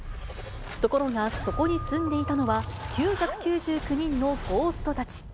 ところがそこに住んでいたのは、９９９人のゴーストたち。